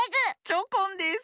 チョコンです。